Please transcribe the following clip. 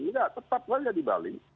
enggak tetap saja di bali